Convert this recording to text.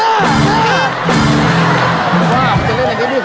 อาหารการกิน